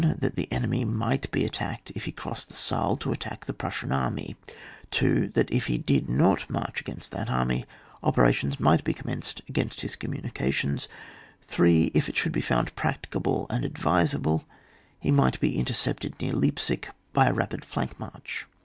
That the enemy might be attacked if he crossed the Saale to attack the Prussian army. 2. That if he did not march against that army, operations might be com menced against his communicationa 3. If it should be found practicable and advisable, he might be intercepted near Leipsic by a rapid flank march.